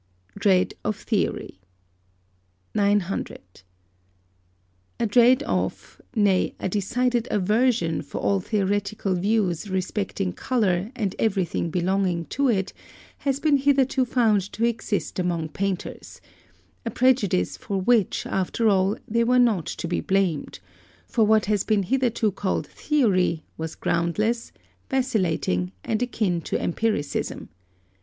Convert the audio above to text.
DREAD OF THEORY. 900. A dread of, nay, a decided aversion for all theoretical views respecting colour and everything belonging to it, has been hitherto found to exist among painters; a prejudice for which, after all, they were not to be blamed; for what has been hitherto called theory was groundless, vacillating, and akin to empiricism.